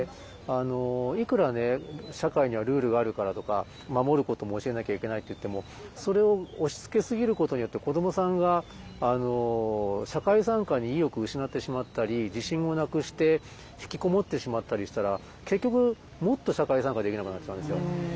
いくらね社会にはルールがあるからとか守ることも教えなきゃいけないといってもそれを押しつけ過ぎることによって子どもさんが社会参加に意欲失ってしまったり自信をなくしてひきこもってしまったりしたら結局もっと社会参加できなくなってしまうんですよ。